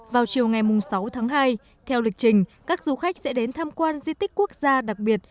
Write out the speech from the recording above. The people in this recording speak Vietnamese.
vào chiều ngày sáu tháng hai theo lịch trình các du khách sẽ đến tham quan di tích quốc gia đặc biệt